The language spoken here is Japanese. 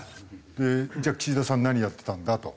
じゃあ岸田さん何やってたんだと。